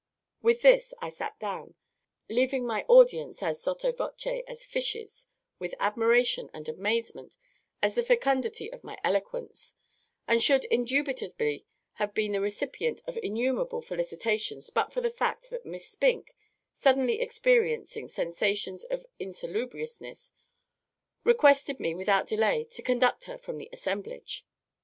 With this, I sat down, leaving my audience as sotto voce as fishes with admiration and amazement at the facundity of my eloquence, and should indubitably have been the recipient of innumerable felicitations but for the fact that Miss SPINK, suddenly experiencing sensations of insalubriousness, requested me, without delay, to conduct her from the assemblage.